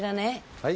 はい？